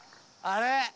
あれ？